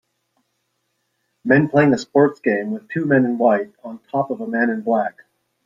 Men playing a sports game with two men in white on top of a man in black.